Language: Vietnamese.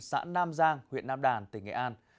xã nam giang huyện nam đàn tỉnh nghệ an